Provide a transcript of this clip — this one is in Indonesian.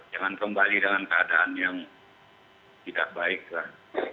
jangan kembali dengan keadaan yang tidak baik lah